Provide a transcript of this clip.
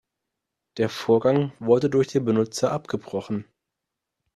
Der Vorgang wurde durch den Benutzer abgebrochen.